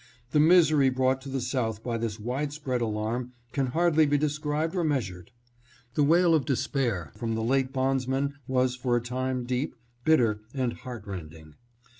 The misery brought to the South by this widespread alarm can hardly be described or measured. The wail of despair from the late bonds men was for a time deep, bitter and heartrending.